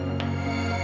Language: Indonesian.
daripada pak s sneaky